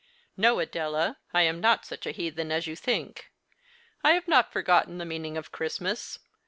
No, Adela, I am not such a heathen as you think. I have not forgotten the meaning of Christmas.